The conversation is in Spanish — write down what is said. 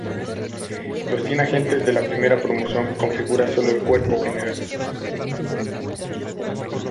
Los cien agentes de la primera promoción configuran solo el Cuerpo General.